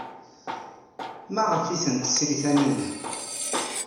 Maɣef ay tent-tesri Taninna?